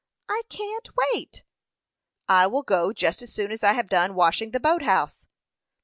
"I can't wait." "I will go just as soon as I have done washing the boat house."